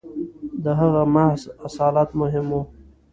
• د هغه محض اصالت مهم و.